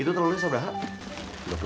itu telurnya sudah apa